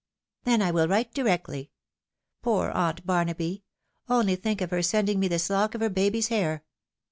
" Then I will write directly. Poor aunt Barnaby! Only think of her sending me this look of her baby's hair